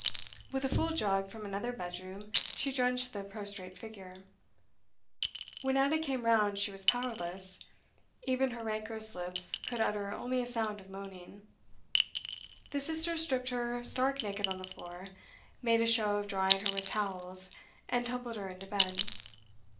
With a full jug from another bedroom, she drenched the prostrate figure. When Ada came round she was powerless; even her rancorous lips could utter only a sound of moaning. The sisters stripped her stark naked on the floor, made a show of drying her with towels, and tumbled her into bed.